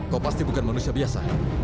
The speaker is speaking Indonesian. kau pasti bukan manusia biasa